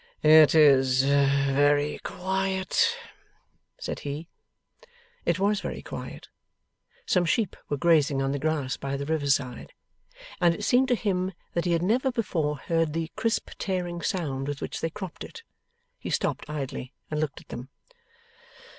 'It is very quiet,' said he. It was very quiet. Some sheep were grazing on the grass by the river side, and it seemed to him that he had never before heard the crisp tearing sound with which they cropped it. He stopped idly, and looked at them.